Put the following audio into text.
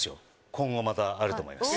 今後またあると思います。